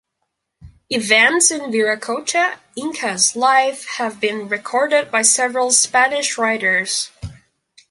Events in Viracocha Inka's life have been recorded by several Spanish writers.